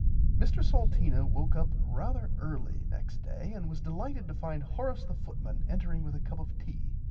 "Mr Salteena woke up rarther early next day and was delighted to find Horace the footman entering with a cup of tea.